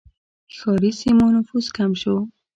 ښاري سیمو نفوس کم شو.